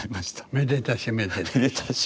めでたしめでたし。